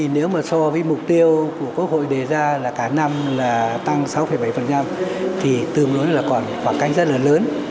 nếu so với mục tiêu của quốc hội đề ra cả năm tăng sáu bảy thì tương đối là khoảng cách rất lớn